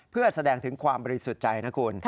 เพื่อแสดงถึงความบริสุทธิ์ใจนะคุณ